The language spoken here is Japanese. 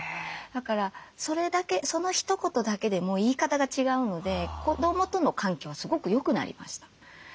だからそれだけそのひと言だけでも言い方が違うので子どもとの関係はすごく良くなりました。